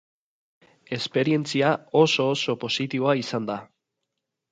Esperientzia oso-oso positiboa izan da.